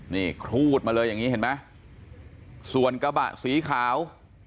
นี่ครูดมาเลยอย่างนี้เห็นไหมส่วนกระบะสีขาว